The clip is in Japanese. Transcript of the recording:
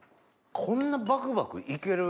こんなバクバク行ける